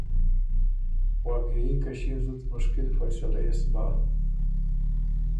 واقعي که ݭيې زُت مشکل فیَصلۀ يې سو بۀ۔